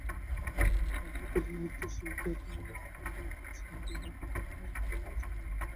আমরা প্রতিমুহূর্তেই সেই ব্রহ্মানন্দ ভোগ করিতেছি, কিন্তু উহাকে ব্রহ্মানন্দ বলিয়া জানি না।